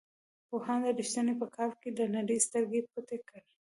پوهاند رښتین په کال کې له نړۍ سترګې پټې کړې.